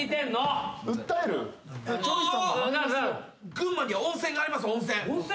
群馬には温泉があります温泉。